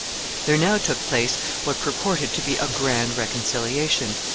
There now took place what purported to be a grand reconciliation.